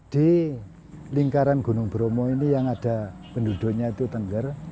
di lingkaran gunung bromo ini yang ada penduduknya itu tengger